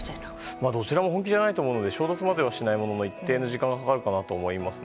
どちらも本気じゃないと思うので衝突まではしないものの一定の時間はかかるかなと思います。